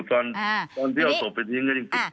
ตอนที่เอาศพไปทิ้งกันจริง